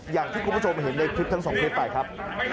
อย่างที่คุณผู้ชมเห็นในคลิปทั้งสองคลิปไปครับ